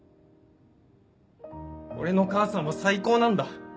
俺の母さんは最高なんだ。